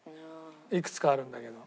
いくつかあるんだけど。